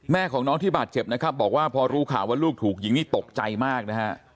แม่ของน้องที่บาดเจ็บนะครับบอกว่าพอรู้ข่าวว่าลูกถูกยิงนี่ตกใจมากนะฮะ